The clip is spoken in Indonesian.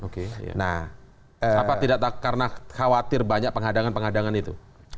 kenapa tidak karena khawatir banyak pengadangan pengadangan itu